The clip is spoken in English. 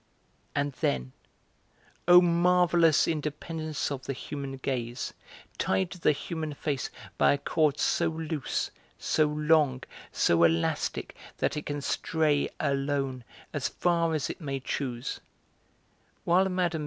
And then oh, marvellous independence of the human gaze, tied to the human face by a cord so loose, so long, so elastic that it can stray, alone, as far as it may choose while Mme.